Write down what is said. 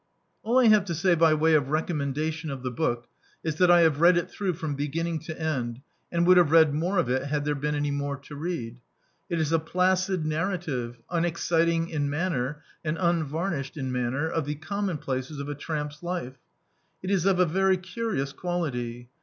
All I have to say by way of recommendation of the book is that I have read it through from be^n ning to end, and would have read more of it had there been any more to read. It is a placid narra tive, unexciting in matter and unvarnished in man ner, of the commcmplaces of a tramp's life. It is of a very curious quality.